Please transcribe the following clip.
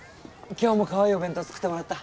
今日もカワイイお弁当作ってもらった？